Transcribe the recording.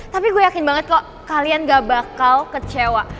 tapi gue yakin banget kok kalian gak bakal kecewa